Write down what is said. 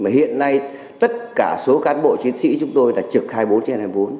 mà hiện nay tất cả số cán bộ chiến sĩ chúng tôi đã trực hai mươi bốn trên hai mươi bốn